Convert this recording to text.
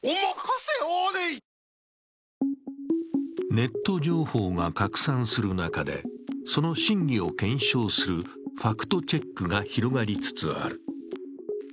ネット情報が拡散する中で、その真偽を検証するファクトチェックが広がりつつある。